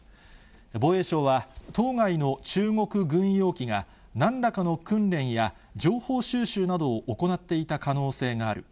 防衛省は、当該の中国軍用機が、なんらかの訓練や情報収集などを行っていた可能性がある。